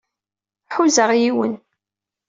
Ḥuzaɣ yiwen.